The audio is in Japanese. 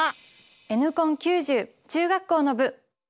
「Ｎコン９０」中学校の部。